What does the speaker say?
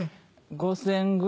５０００ｇ。